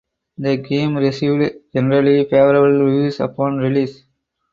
The game received generally favorable reviews upon release.